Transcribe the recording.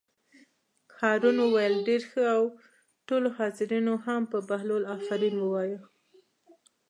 هارون وویل: ډېر ښه او ټولو حاضرینو هم په بهلول آفرین ووایه.